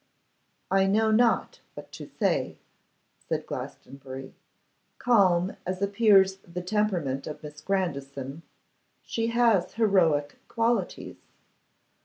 'I know not what to say,' said Glastonbury; 'calm as appears the temperament of Miss Grandison, she has heroic qualities.